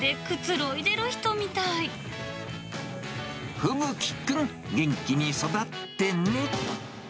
フブキくん、元気に育ってね。